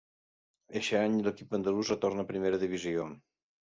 Eixe any l'equip andalús retorna a primera divisió.